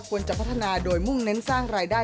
ควรจะพัฒนาโดยมุ่งเน้นสร้างรายได้